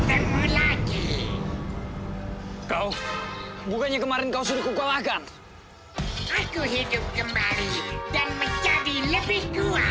engkau lagi kau bukannya kemarin kau sudah kukulahkan aku hidup kembali dan menjadi lebih